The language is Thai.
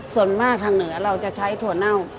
ส่วนมากทางเหนือเราจะใช้ถั่วเน่า